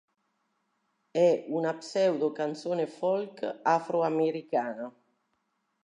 È una pseudo canzone folk afroamericana.